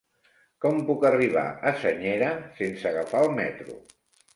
Com puc arribar a Senyera sense agafar el metro?